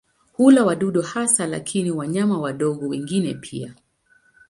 Hula wadudu hasa lakini wanyama wadogo wengine pia.